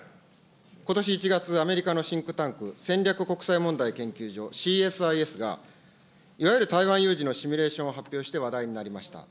ことし１月、アメリカのシンクタンク、戦略国際問題研究所・ＣＳＩＳが、いわゆる台湾有事のシミュレーションを発表して話題になりました。